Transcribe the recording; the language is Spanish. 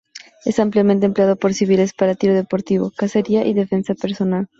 Es ampliamente empleada por civiles para tiro deportivo, cacería y defensa personal.